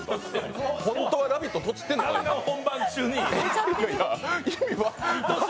本当は「ラヴィット！」でとちってんのかな？